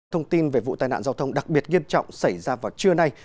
thông tin về vụ tai nạn giao thông đặc biệt nghiêm trọng xảy ra vào trưa nay